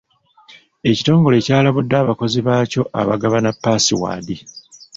Ekitongole kyalabudde abakozi baakyo abagabana paasiwaadi.